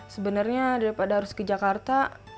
sebenarnya daripada harus ke jakarta